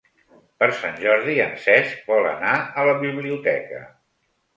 Per Sant Jordi en Cesc vol anar a la biblioteca.